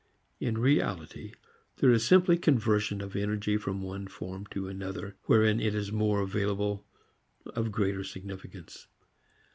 In reality there is simply conversion of energy from one form to another wherein it is more available of greater significance.